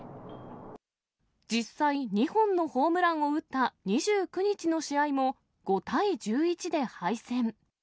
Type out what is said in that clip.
実際、２本のホームランを打った２９日の試合も、５対１１で敗戦。